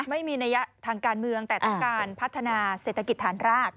ไม่มีนัยทางการเมืองแต่ต้องการพัฒนาเศรษฐกิจฐานราก